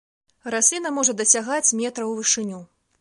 Расліна можа дасягаць метра ў вышыню.